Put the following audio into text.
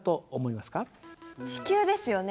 地球ですよね。